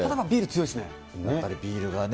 やっぱりビールがね。